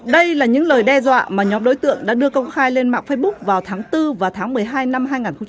đây là những lời đe dọa mà nhóm đối tượng đã đưa công khai lên mạng facebook vào tháng bốn và tháng một mươi hai năm hai nghìn hai mươi ba